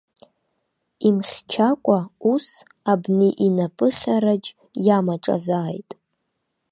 Имхьчакәа, ус абни инапыхьараџь иамаҿазааит!